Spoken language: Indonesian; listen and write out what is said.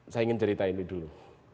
saya ingin cerita ini dulu